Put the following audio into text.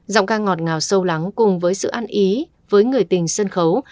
giọng ca ngọt ngào sâu lắng cùng với sự ăn ý với người tình sân khấu